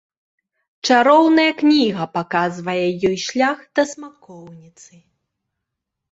Чароўная кніга паказвае ёй шлях да смакоўніцы.